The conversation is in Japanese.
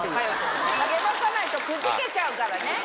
励まさないとくじけちゃうからね。